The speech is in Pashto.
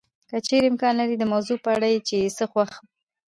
که چېرې امکان لري د موضوع په اړه یې چې څه خوښ